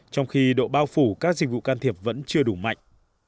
trong khi độ bao phủ các dịch vụ can thiệp vẫn chưa đủ mạnh